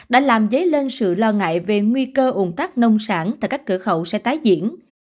đã làm dấy lên sự lo ngại về nguy cơ ủng tắc nông sản tại các cửa khẩu sẽ tái diễn